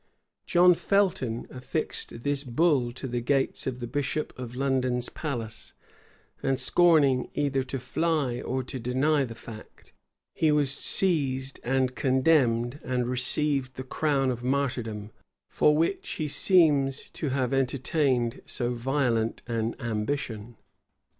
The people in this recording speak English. [*] John Felton affixed this bull to the gates of the bishop of London's palace; and scorning either to fly or to deny the fact, he was seized and condemned and received the crown of martyrdom, for which he seems to have entertained so violent an ambition.